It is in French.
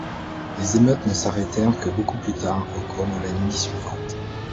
Les émeutes ne s’arrêtèrent que beaucoup plus tard au cours de la nuit suivante.